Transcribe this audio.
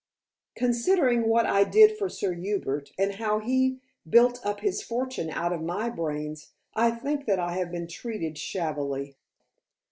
Considering what I did for Sir Hubert, and how he built up his fortune out of my brains, I think that I have been treated shabbily."